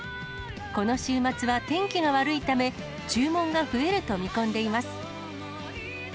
この週末は天気が悪いため、注文が増えると見込んでいます。